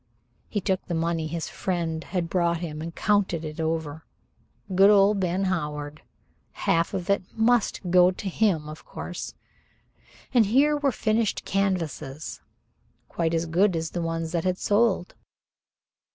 He took the money his friend had brought him and counted it over. Good old Ben Howard! Half of it must go to him, of course. And here were finished canvases quite as good as the ones that had sold.